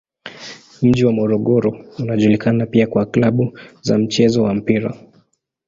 Mji wa Morogoro unajulikana pia kwa klabu za mchezo wa mpira.